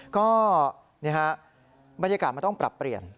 ก็นี่ฮะบรรยากาศมันต้องปรับเปลี่ยน